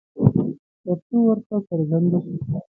ترڅو ورته څرگنده شي